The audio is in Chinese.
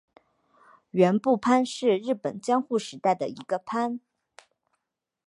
园部藩是日本江户时代的一个藩。